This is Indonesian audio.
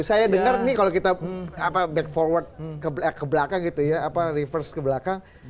saya dengar nih kalau kita back forward ke belakang gitu ya reverse ke belakang